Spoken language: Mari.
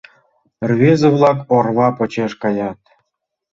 Рвезе-влак орва почеш каят.